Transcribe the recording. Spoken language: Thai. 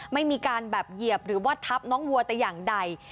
ไม่มีการแบบเหยียบหรือว่าทับน้องวัวแต่อย่างใด